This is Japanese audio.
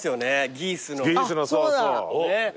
ギースの。